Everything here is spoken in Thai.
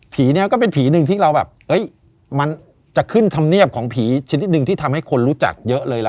เนี่ยก็เป็นผีหนึ่งที่เราแบบมันจะขึ้นธรรมเนียบของผีชนิดหนึ่งที่ทำให้คนรู้จักเยอะเลยล่ะ